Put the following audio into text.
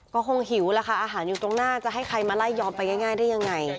ก็คงหิวแล้วค่ะอาหารอยู่ตรงหน้าจะให้ใครมาไล่ยอมไปง่ายได้ยังไง